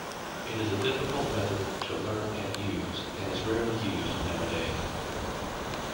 It is a difficult method to learn and use, and is rarely used nowadays.